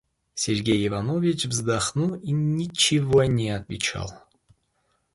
Сергей Иванович вздохнул и ничего не отвечал.